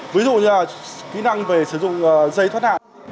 ví dụ như là kỹ năng về sử dụng dây thoát hạn